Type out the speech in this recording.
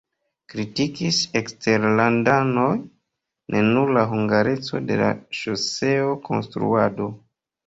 Kritikis eksterlandanoj ne nur la hungarecon de la ŝoseo-konstruado.